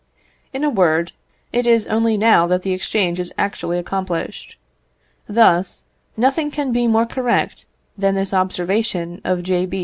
In a word, it is only now that the exchange is actually accomplished. Thus, nothing can be more correct than this observation of J.